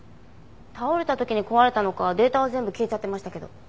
倒れた時に壊れたのかデータは全部消えちゃってましたけど。